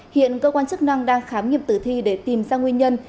hiện cơ quan chức năng đang khám nghiệm tử thi để tìm ra nguyên nhân